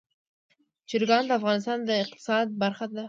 چرګان د افغانستان د اقتصاد برخه ده.